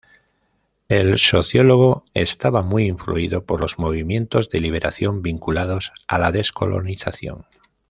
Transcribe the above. El sociólogo estaba muy influido por los movimientos de liberación vinculados a la descolonización.